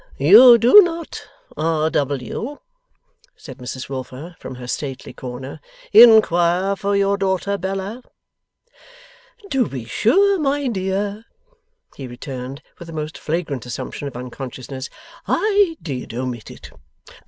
'You do not, R. W.' said Mrs Wilfer from her stately corner, 'inquire for your daughter Bella.' 'To be sure, my dear,' he returned, with a most flagrant assumption of unconsciousness, 'I did omit it.